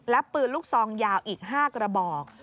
และปืนลูกซองยาวอีก๕กระบอก